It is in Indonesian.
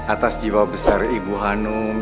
atas jiwa besar ibu hanum